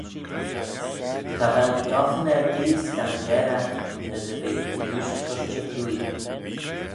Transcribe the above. Cha vel doghan erbee s'dangeyragh na dy ve fegooish tushtey cooie.